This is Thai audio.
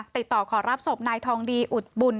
ติดต่อขอรับศพนายทองดีอุดบุญ